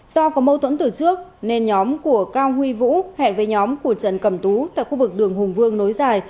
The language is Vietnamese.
do có mâu thuẫn từ trước nên nhóm của cao huy vũ hẹn với nhóm của trần cẩm tú tại khu vực đường hùng vương nối dài